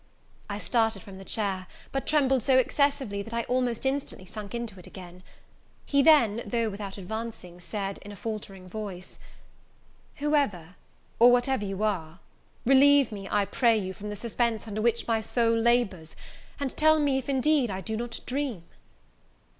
I started from the chair; but trembled so excessively, that I almost instantly sunk again into it. He then, though without advancing, and, in a faultering voice, said, "Whoever, or whatever you are, relieve me, I pray you, from the suspense under which my soul labours and tell me if indeed I do not dream?"